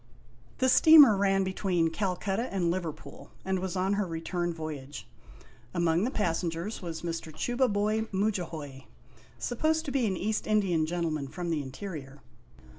The steamer ran between Calcutta and Liverpool, and was on her return voyage. Among the passengers was Mr. Chubaiboy Mudjahoy, supposed to be an East Indian gentleman from the in terior.